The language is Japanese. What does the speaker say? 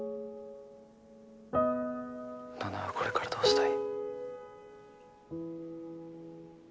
菜々はこれからどうしたい？